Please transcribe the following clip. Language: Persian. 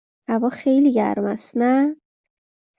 هوا خیلی گرم است، نه؟